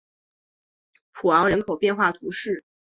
普昂人口变化图示